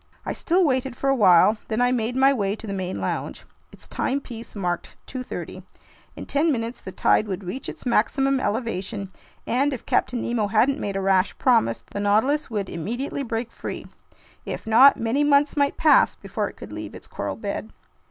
I still waited for a while, then I made my way to the main lounge. Its timepiece marked 2:30. In ten minutes the tide would reach its maximum elevation, and if Captain Nemo hadn't made a rash promise, the Nautilus would immediately break free. If not, many months might pass before it could leave its coral bed.